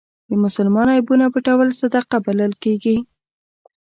د مسلمان عیبونه پټول صدقه بلل کېږي.